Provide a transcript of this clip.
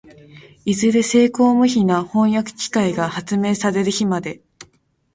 いずれ精巧無比な飜訳機械が発明される日まで、